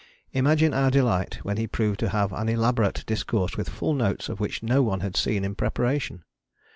Imagine our delight when he proved to have an elaborate discourse with full notes of which no one had seen the preparation.